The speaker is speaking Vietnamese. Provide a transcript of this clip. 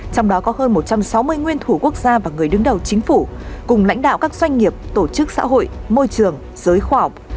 trong đó có hơn một trăm sáu mươi nguyên thủ quốc gia và người đứng đầu chính phủ cùng lãnh đạo các doanh nghiệp tổ chức xã hội môi trường giới khoa học